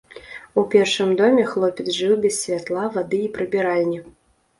У першым доме хлопец жыў без святла, вады і прыбіральні.